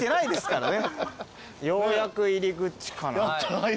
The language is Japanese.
ようやく入り口かな。